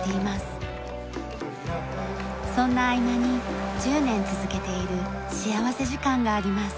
そんな合間に１０年続けている幸福時間があります。